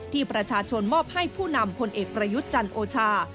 ที่ประชาชนมอบให้ผู้นำพลเอกประยุทธ์จันทร์โอชา